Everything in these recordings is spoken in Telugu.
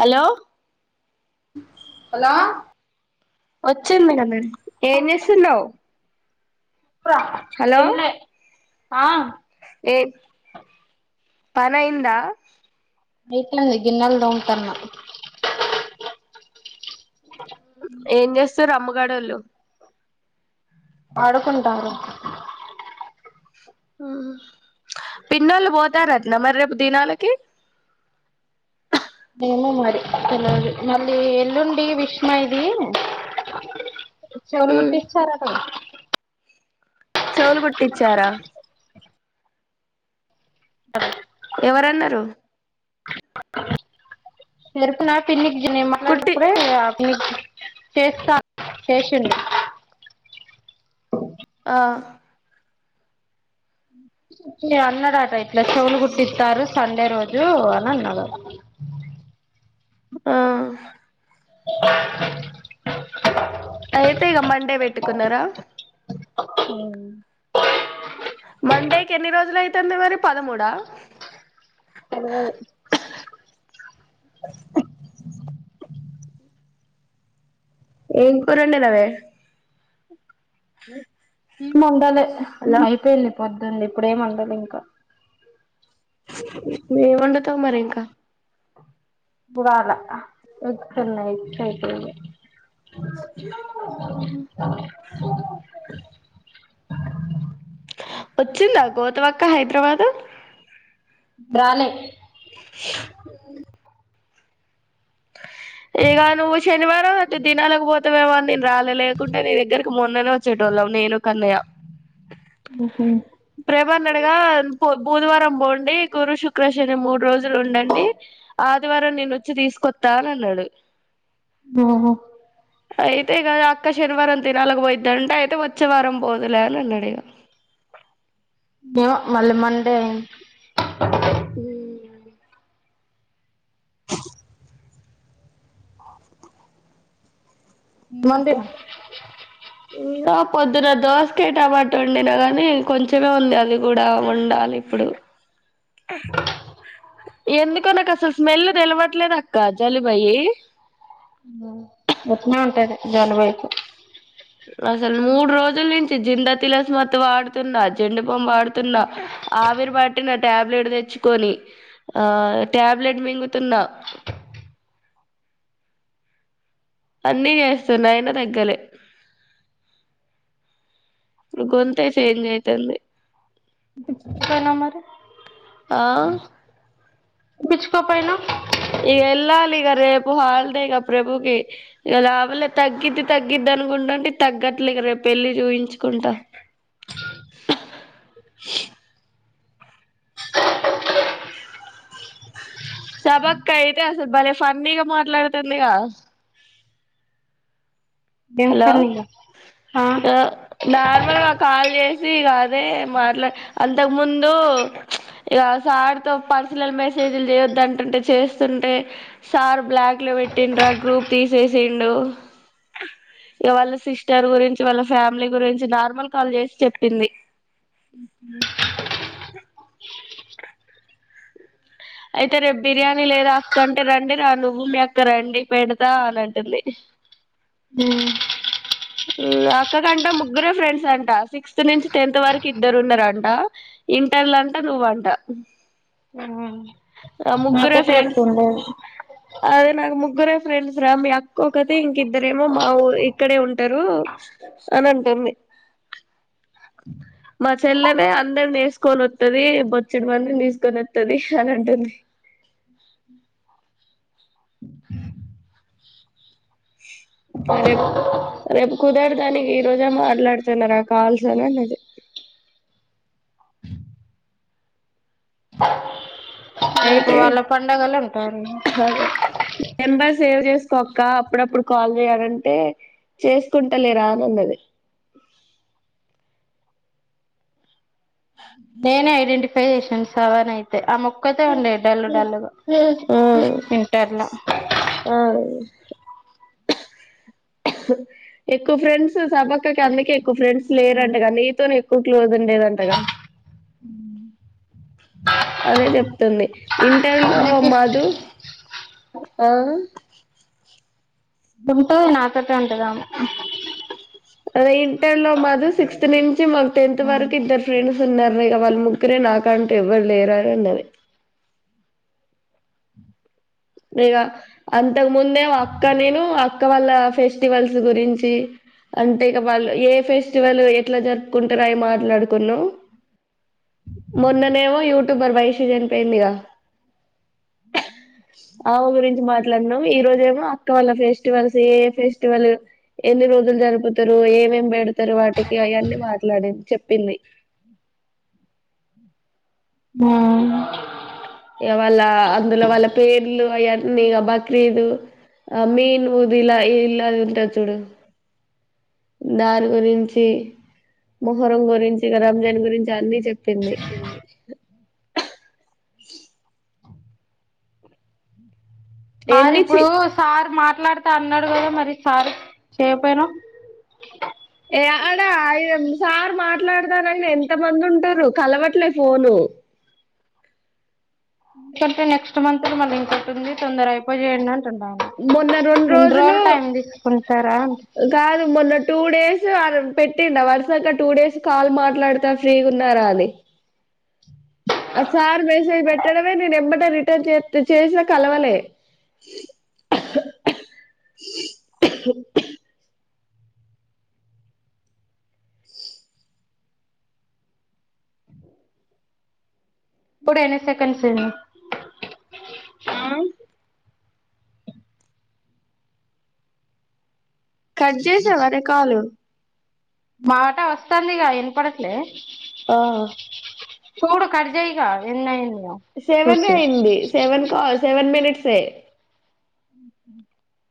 హలో హలో వచ్చింది వినడమే ఎం చేస్తున్నావు ఏంలే ఆ ఏ పనాయిందా ఎట్లుంది గిన్నాలు దోముతున్న ఏం చేస్త సర్ అమ్గాడోళ్ళు ఆడుకుంటారు ఊ పిన్నోళ్ళు పోతారటన మరి రేపు దినాలకి ఏమో మరి తెలీవదు మళ్ళీ ఎల్లుండి విశమ ఇది చెవులు కుట్టించారటగా చౌవులు కుట్టిచ్చారా ఎవరన్నారు తెలుసు నా పిన్నికీ ఎం కుట్టి అన్నపుడే ఊ చేస్తా చేసిండు ఆ అన్నడట ఏట్లా చవులు కుట్టిస్తారు సండే రోజు అని అన్నాదట ఆ అయితే ఇక మండే పెట్టుకున్నారా మండేకి ఎన్ని రోజులు అయితుంది మరి పదమూడా తెలవదు ఏం కురోండినవే హ ఏముండలే ఐపోంది పొద్దున్నే ఇప్పుడేం వండలే ఇంకా ఏం వండుతావు మరి ఇంకా బరాల ఇన్నాయితే వచ్చిందా గౌతమీఅక్క హైదరాబాద్ రాలే మ్మ్ ఇగ నువ్వు శనివారంతే దిన అలగ బో మొత్తమేమో నేను రాలే లేకుంటే నీ దగ్గరకి మొన్ననే వచ్చేటోళ్ళం నేను కన్నయ్య ఓహో ప్రేమన్నడుగా బుధవారం పోండి గురు శుక్రశని మూడు రోజులు ఉండండి ఆదివారం నేను వచ్చి తీసుకొస్తా అని అన్నాడు ఆహా అయితే ఇక అక్క శనివారం తినాలకు పోయిద్దంటే అయితే వచ్చే వారం పోదులే అని అన్నాడు ఇగా వో మళ్ళీ మండే మ్మ్ మొండెం ఇంకా పొద్దున దోసక టమాట్ వండినా గాని కొంచమే ఉంది అది కూడా వుండాలి ఇప్పుడు ఎందుకో నాకు అసలు స్మెల్ తెలవట్లేదు అక్క జలిబయి మ్మ్ చెప్ నంటారు జాలు బై అసలు మూడు రోజుల నుంచి జింద తలస్మత్త వాడుతున్నా జెండుబం వాడుతున్నా ఆవిరి పట్టిన టాబ్లెట్ తెచ్చుకొని ఆ ట్యాబ్లెట్ మింగుతున్నా అన్నీ చేస్తున్నా అయినా దగ్గలే ఇ గొంతే చేంజ్ అయితంది సనా మరి ఆ చ్చకోపోయిన ఇక వెళ్ళాలి ఇక రేపు హాలిడేక ప్రభుకి ఇక లాభలే తగ్గిద్ది తగ్గిద్ అనుకుంటుంటే తగ్గట్లేక రేపు వెళ్ళి చూయిించుకుంటా సబక్ అయితే అసలు భలే ఫన్నీగా మాట్లాడుతుందిగా ఏం హలో పని ఇగ ఆ నార్మల్గా కాల్ చేస్ కాదే మాట్లా అంతకు ముందు ఇక సార్ తో పర్సనల్ మెసేజ్లు చేయొద్దుంటంటే చేస్తుంటే సార్ బ్లాక్ లో పెట్టిండరా గ్రూప్ తీసేసిండు ఇక వాళ్ళ సిస్టర్ గురించి వాళ్ళ ఫ్యామిలీ గురించి నార్మల్ కాల్ చేసి చెప్పింది అయితే రేపు బిర్యానీ లేదుా అక్కంటే రండి రా నువ్వు మీ అక్క రండి పెడతా అని అంటుంది మ్మ్ అక్క కంటా ముగ్గురే ఫ్రెండ్స్ అంట సిక్స్త్ నుంచి టెన్త్ వరకు ఇద్దరు ఉన్నారంట ఇంటర్లో అంట నువ్వంట ఆ ముగ్గురే మకట ఫ్రెండ్స్ ఎకుండ అదే నాకు ముగ్గురే ఫ్రెండ్స్ రా మీ అక్క ఒకతే ఇంకిద్దరేమో మా ఊరు ఇక్కడే ఉంట అంటారు అని అంటుంది మా చెల్లనే అందరు నేసుకొని వత్తది బొచ్చడి మందిని తీసుకొని వత్తది అని అంటుంది రేప్ రేపు కుదరదని ఈ రోజే మాట్లాడుతున్నార కావాల్సన అనేది రేపు అయితేరే వాళ్ళ పండగలు ఉంటారు మెంబర్ సేవ్ చేస్ ఒక్క అప్పుడప్పుడు కాల్ చేయాలంటే చేస్తుంటాలేరా అనిన్నది ఆ నేనే ఐడెంటిఫై చేసాను సవాని అయితే ఆ మో మ్మ్ ఇంటర్లో మ్మ్ ఎక్కువ ఫ్రెండ్స్ సబక్కకి వాళ్ళకి అందుకే ఇవ్వు ఎక్కువ ఫ్రెండ్స్ లేరంటగా నీతోనే ఎక్కువ క్లోజ్ ఉండేదంటగా అదే చెప్తుంది ఇంటర్ లో మధు ఆ ఉంతో నాతోట ఉంటదామే అద ఇ లో మాది సిక్స్త్ నుంచి మాకు టెన్త్ ఉమ్ వరకు ఇద్దరు ఫ్రెండ్స్ ఉన్నారు వాళ్ళు ఒక్కరే నాక అంటూ ఎవ్వరు లేరు అనిన్నది అ ఇక అంతకు ముందేమో అక్క నేను అక్క వాళ్ళ ఫెస్టివల్స్ గురించి అంటే ఇక వాళ్ళు ఏ ఫెస్టివల్ ఎట్లా జరుపుకుంటారో అవి మాట్లాడుకున్నా మొన్ననేమో యూట్యూబర్ వైశం ప్రేమిక ఆమ గురించి మాట్లాడునాం ఈ రోజు మారెమో అక్క వాళ్ళ ఫెస్టివల్స్ ఏ ఫెస్టివల్ ఎన్ని రోజులు జరుపుతారు ఏమేం తరువాత వాటికి అవన్నీ మాట్లాడి చె పిల్లి ఆ ఇక వాళ్ళ అందులో వాళ్ళ పేర్లు అవన్నీ ఇక బక్రీదు ఆ మెన్ ఉది ఇలా ఇలాది ఉంటారు చూడు దాని గురించి మొహరం గురించి ఇక రంజాన్ గురించి అన్ని చెప్పింది మరి ఎన్ని చి ఇప్పుడు సార్ మా మాట్లాడితే అన్నాడు కద మరి సార్ చేయపోయినా ఏ అడ ఆయురం సార్ మాట్లాడతానని ఎంత మంది ఉంటారు కలవట్లే ఫోను ఇక నెక్స్ట్ మంత్ మళ్ళీ ఇంకంటుంది తొందర అయిపోయి చేయండి అ మొన్న రెండు రోజులు తీసుకుంటారా కాదు మొన్న టూ డేస్ పెట్టింద వరుసగా టూ డేస్ కాల్ మాట్లాడతా ఫ్రీ ఉన్నారా అని ఆ సార్ మెసేజ్ పెట్టడమే నేను ఎంమట రిటర్న్ చే చేసినా కలవలే ఇప్పుడు ఎన్ని సెకండ్స్ ఆ కట్ చేసేవా కాల్ మాట వస్తుందిక వినపడట్లే ఆ చూడు కట్జయిగా ఎన్న ఎన్న సెవెన్ అయింది సెవెన్ కాస్ సెవెన్ మనిట్స్ే అ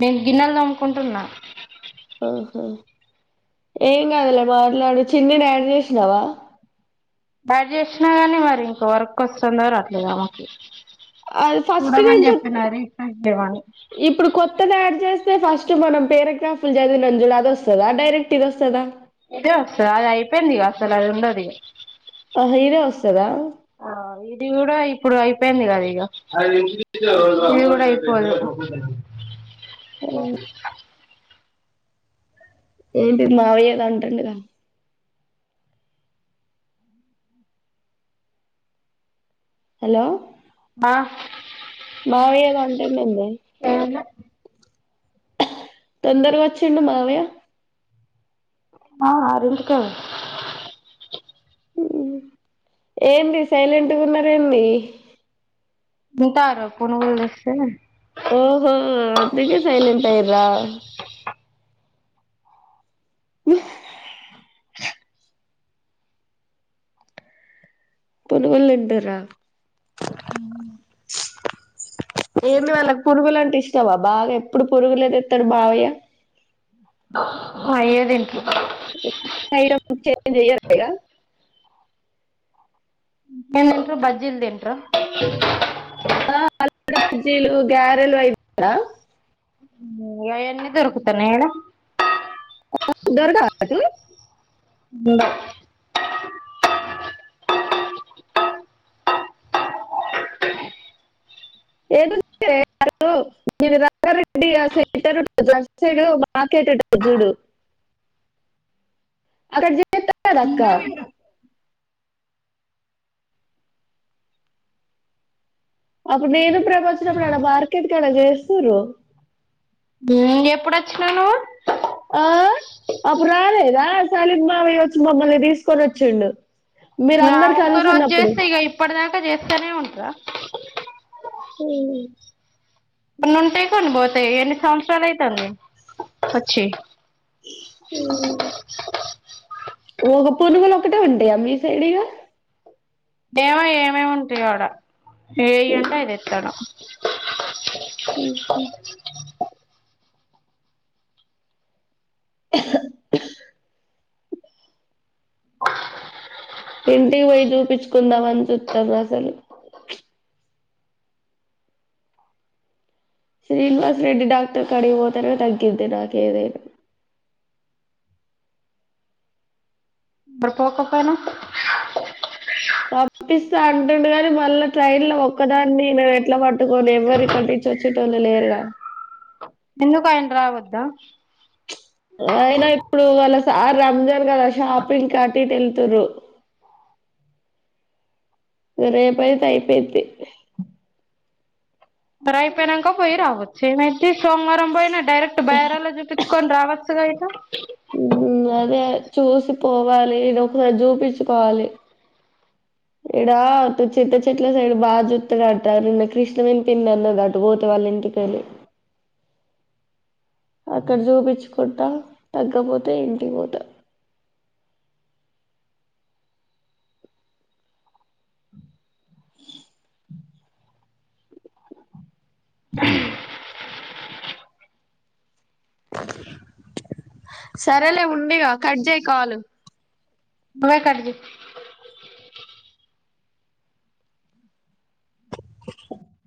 మేము గిన్నెలు తోమ్ముకుంటున్నా ఆహా ఏం కాదలే మాటలాడు చిన్ని ని యాడ్ చేసినవా గ్రాడ్యుయేషన్ గాని మరి ఇంక వర్క్ వస్తున్నారు అట్లేద మకి అది ఫస్ట్ నుంచి చేయమని ఇప్పుడు కొత్తది యాడ్ చేస్త ఫస్ట్ మనం ఫస్ట్ పారగ్రాఫ్ చదివినం చూడు అది వస్తదా డైరెక్ట్ ఇది వస్తుందా అయితేస అది అయిపోయింది ఇక అసలు అది ఉండదిక ఆ ఇదే వస్తదా ఇది కూడా ఇప్పుడు అయిపోయింది కదా ఇక ఇది కూడా అయిపోదు ఏంటి మావయ్యదా ఉంటం కద హలో బా మావయ కొంటన్నందే తొందర గా వచ్చిండు మావయ్య మా ఆరింటి కళ్ళ ఏంది సైలెంట్గా ఉన్నారు ఏంది తింతారు పునుగులు తెస్తే ఓహో అందుకె సైలెంట్ అయ్యిరా పురుగులు తింటారా ఏమి వాళ్ళకి పురుగులు అంటే ఇష్టామా బాగా ఎప్పుడు పురుగులే దెత్తాడు బావయ్య అయే దింట్రు ఐటమ్స్ చేంజ్ చేయరా ఇగ ఇంకేం తింట్రు బజ్జీలు తింట్రు ఆ [unintelligible] డ బజ్జీలు గ్యారల్ అయి వద్దా ఆయన్ని దరుకుతనే ఈడ దొరకరాదు ఉందా ఏ డు ఉన్న ఏ [unintelligible] రంగారెడ్డి ఆర్ మాకెజుడు అక్కడ చేస్తా కదక్క అప్పుడు నేను ప్రభ వచ్చినప్పుడు ఆడ మార్కెట్ కాడ చేస్రూ ఎప్పుడుొచ్చినావ్ నువ్వు సాలిద్ మావయ్యచ్చునప్పుడు మమ్మల్ని తీసుకొని వచ్చుండు ఇంగ ఆ ఒక్క రోజు చేస్తే ఇక ఇప్పటిదాక చేస్తేనే ఉంటరాా హూ కొన్ని ఉంటేయి కొని పోతాయి ఎన్ని సంవత్సరాలు అయితాంది వచ్చి హూ ఒక పునుగులు ఒకటే ఉంటయా మీ సైడ్ ఇగ డేమో ఏం ఏమేం ఉంటాయో ఆడ ఏయి ఉంటే అది దెత్తాడు ఓ [unintelligible] ఇంటికి పోయి చూపించుకుందామ అని చూస్తాం అసలు శ్రీనివాస్ రెడ్డి డాక్టర్ కాడి పోతేనే తగ్గింది నాకి ఏదైనా మరి పోకపోయిన పంపిస్తా అంటుండు కానీ మళ్ళ ట్రైన్ లో ఒక్కదాన్ని న ఎట్లా పడ్ ట్కొని ఎవరిరు కటి నుంచి వచ్చి ళ్ళు లేరుగా ఎందుకు ఆయన రావొద్ద అయినా ఇప్పుడు వల స్ సార్ రంజాన్ కదా షాపింగ్ అటు ఇటు వెళ్తురు ఇగ రేపయితే అయిపోయిద్ది మరి అయిపోయినాక పోయి రావచ్చు ఏమైద్ది సోమవారం పోయినా డైరెక్ట్ బైరాలో చూపించుకొని రావచ్చుగా వో ఉహుమ్ అదే చూసి పోవాలి ఇది ఒకా రవ్వ జూపిచ్చు కోవాలి ఇడా త చింత చెట్ల సైడ్ బాగా జుత్త కట్టారున్న కృష్ణవేని పింది అన్నది అటు పోతే వాళ్ళ ఇంటికెళ్ళి అక్కడ చూపించుకుంటా తగ్గపోతే ఇంటికి పోతారు ఓ సరేలే ఉందిగా కట్ చేయి కాలు నువ్వే కట్ చేయి వో